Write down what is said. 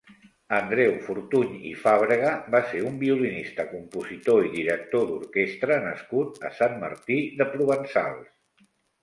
Andreu Fortuny i Fàbrega va ser un violinista, compositor i director d'orquestra nascut a Sant Martí de Provençals.